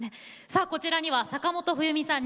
さあこちらには坂本冬美さん